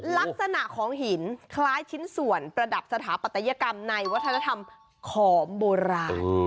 ลักษณะของหินคล้ายชิ้นส่วนประดับสถาปัตยกรรมในวัฒนธรรมขอมโบราณ